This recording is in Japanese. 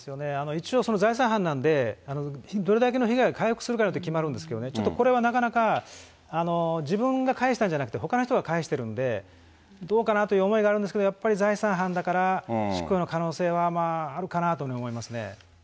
一応その財産犯なんで、どれだけの被害を回復するかによって決まるんですけど、これはなかなか自分が返したんじゃなくてほかの人が返してるんで、どうかなという思いがあるんですけども、やっぱり財産犯だから、執行猶予の可能性はまあ、あるかなと思いますね。